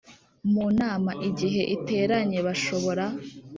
Mu nama igihe iteranye bashobora